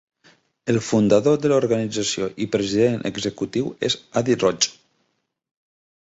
El fundador de l'organització i president executiu és Adi Roche.